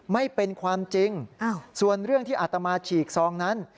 ไม่เป็นความจริงส่วนเรื่องที่อาตมาฉีกซองนั้น